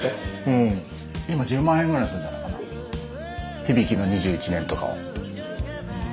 響の２１年とかはうん。